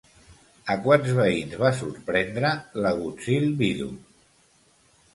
A quants veïns va sorprendre l'agutzil vidu?